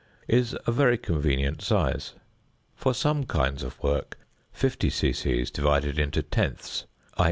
is a very convenient size. For some kinds of work, 50 c.c. divided into tenths (_i.